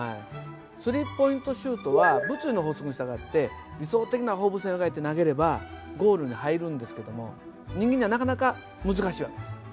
スリーポイントシュートは物理の法則に従って理想的な放物線を描いて投げればゴールに入るんですけども人間にはなかなか難しい訳です。